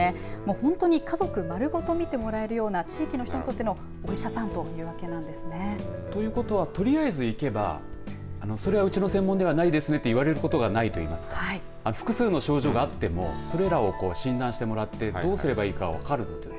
本当に家族丸ごと見てもらえるような地域の人にとってのお医者さんというわけなんですね。ということはとりあえず行けばそれはうちの専門ではないですねって言われることがないといいますか複数の症状があってもそれらを診断してもらってどうすればいいか分かるという。